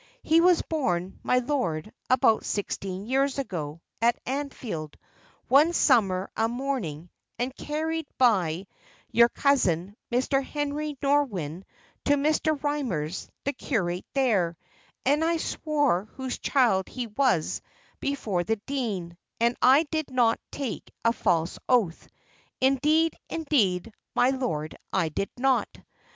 He was born, my lord, about sixteen years ago, at Anfield, one summer a morning, and carried by your cousin, Mr. Henry Norwynne, to Mr. Rymer's, the curate there; and I swore whose child he was before the dean, and I did not take a false oath. Indeed, indeed, my lord, I did not.